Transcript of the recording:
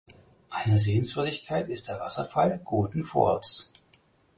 Eine Sehenswürdigkeit ist der Wasserfall Golden Falls.